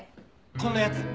こんなやつ。